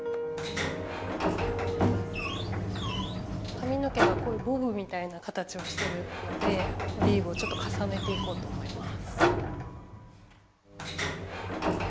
かみの毛がこういうボブみたいな形をしてるのでオリーブをちょっとかさねていこうと思います。